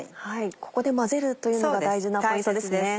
ここで混ぜるというのが大事なポイントですね。